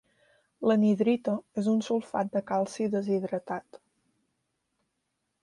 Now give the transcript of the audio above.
L'anhidrita és un sulfat de calci deshidratat.